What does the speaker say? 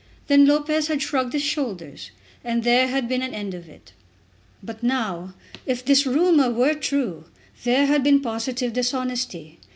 Then Lopez had shrugged his shoulders, and there had been an end of it. But now, if this rumour were true, there had been positive dishonesty.